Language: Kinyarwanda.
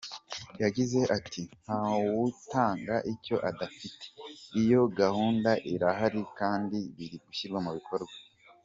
Yagize ati “Nta wutanga icyo adafite, iyo gahunda irahari kandi biri gushyirwa mu bikorwa.